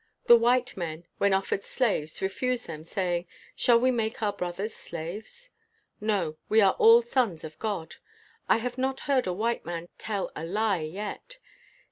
The white men, when offered slaves, refuse them, saying, ' Shall we make our brothers slaves'? No; we are all sons of God.' I have not heard a white man tell a lie yet.